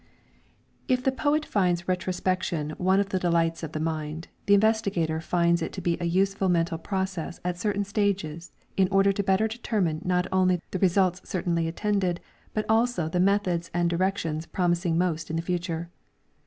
If the poet finds retrospection one of the deUghts of the mmd, the investigator finds it to be a useful mental process at certain stages in order the better to determine not only the results cer tainly attained but also the methods and directions promising most in the future.